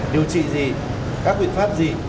điều trị gì các biện pháp gì